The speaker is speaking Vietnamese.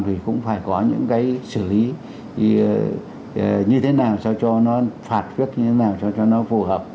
thì cũng phải có những cái xử lý như thế nào sao cho nó phạt quyết như thế nào cho nó phù hợp